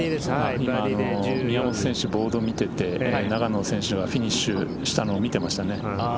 今、宮本選手ボード見ていて永野選手がフィニッシュしたのを見てましたね。